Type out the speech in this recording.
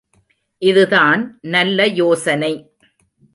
இதுதான் நல்ல யோசனை!